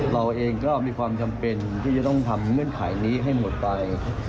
เราเองก็มีความจำเป็นที่จะต้องทำเงื่อนไขนี้ให้หมดไป